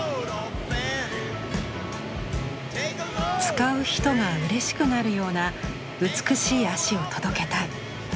「使う人がうれしくなるような美しい足を届けたい」。